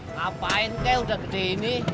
ngapain kayak udah gede ini